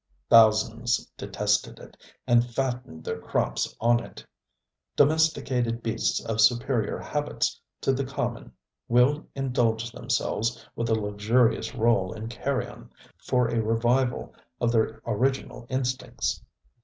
Thousands detested it, and fattened their crops on it. Domesticated beasts of superior habits to the common will indulge themselves with a luxurious roll in carrion, for a revival of their original instincts.